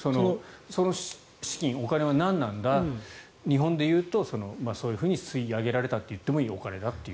その資金、お金は何なんだ日本で言うとそういうふうに吸い上げられたといってもいいお金だと。